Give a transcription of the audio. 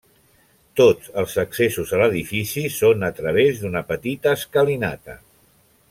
Tots els accessos a l’edifici són a través d’una petita escalinata.